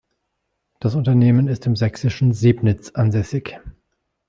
Das Unternehmen ist im sächsischen Sebnitz ansässig.